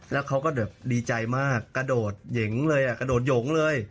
แล้วเขาก็แบบดีใจมากกระโดดเหยิงเลยกระโดดหยงเลย